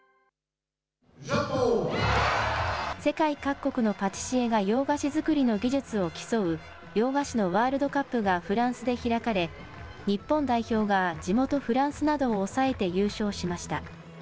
世界各国のパティシエが洋菓子作りの技術を競う、洋菓子のワールドカップがフランスで開かれ、日本代表が地元フランスなどを抑えて優勝しました。